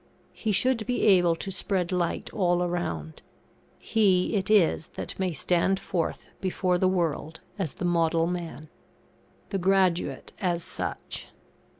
He should be able to spread light all around. He it is that may stand forth before the world as the model man. [THE GRADUATE AS SUCH.